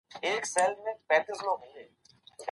د مسافرو درناوی يې کلتوري ارزښت باله.